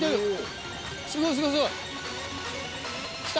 すごいすごいすごい。